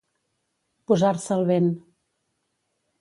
Posar-se el vent.